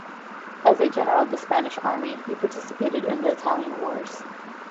As a general of the Spanish army, he participated in the Italian Wars.